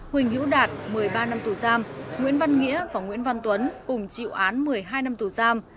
huỳnh hữu đạt một mươi ba năm tù giam nguyễn văn nghĩa và nguyễn văn tuấn cùng chịu án một mươi hai năm tù giam